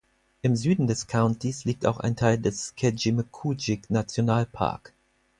Im Süden des Countys liegt auch ein Teil des Kejimkujik-Nationalpark.